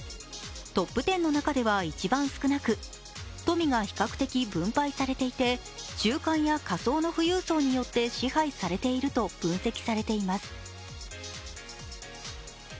トップ１０の中では一番少なく富が比較的分配されていて中間や下層の富裕層によって支配されていると分析されています。